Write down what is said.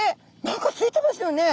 何かついてますよね。